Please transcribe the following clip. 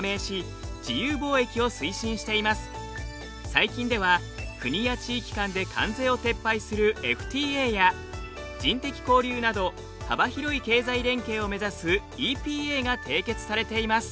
最近では国や地域間で関税を撤廃するＦＴＡや人的交流など幅広い経済連携を目指すＥＰＡが締結されています。